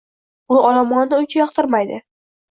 U olomonni uncha yoqtirmaydi.